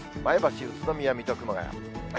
前橋、宇都宮、水戸、熊谷。